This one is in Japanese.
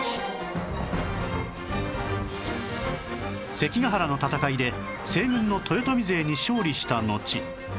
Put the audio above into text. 関ヶ原の戦いで西軍の豊臣勢に勝利したのち